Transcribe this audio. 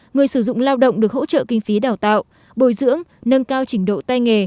người sử dụng lao động được hỗ trợ kinh phí đào tạo bồi dưỡng nâng cao trình độ tay nghề